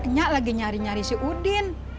kenyak lagi nyari nyari si udin